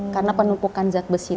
karena penumpukan zat besi tadi